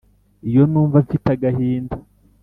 Iyo numva mfite agahinda